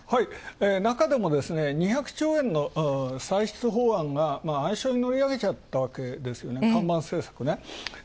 なかでも、２００兆円の歳出法案が暗礁に乗り上げちゃったわけですよね、看板政策ね。